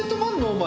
お前。